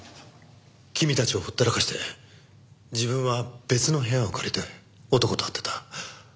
君たちをほったらかして自分は別の部屋を借りて男と会ってた。